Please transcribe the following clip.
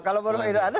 kalau baru tidak ada